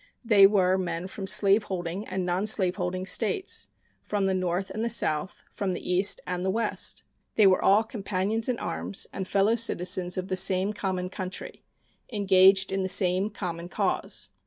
They were men from slaveholding and nonslaveholding States, from the North and the South, from the East and the West. They were all companions in arms and fellow citizens of the same common country, engaged in the same common cause.